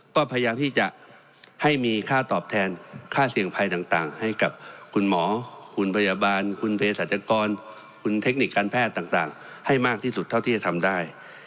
ก็พยายามที่จะให้มีค่าตอบแทนค่าเสี่ยงภัยต่างให้กับคุณหมอคุณพยาบาลคุณเพศรัชกรคุณเทคนิคการแพทย์ต่างให้มากที่สุดเท่าที่จะทำได้